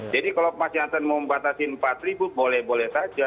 jadi kalau mas jansen mau membatasi rp empat boleh boleh saja